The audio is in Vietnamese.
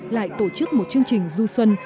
lại tổ chức một chương trình du xuân